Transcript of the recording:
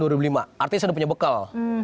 artinya saya sudah punya bekal